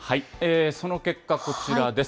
その結果、こちらです。